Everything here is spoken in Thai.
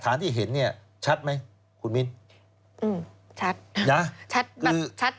ฐานที่เห็นเนี่ยชัดไหมคุณมินอืมชัดนะชัดแบบชัด